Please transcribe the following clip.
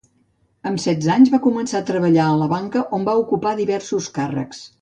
Amb setze anys va començar a treballar a la banca on va ocupar diversos càrrecs.